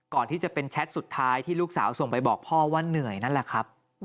ก่อนที่จะเป็นแชทสุดท้ายที่ลูกสาวส่งไปบอกพ่อว่าเหนื่อยนั่นแหละครับ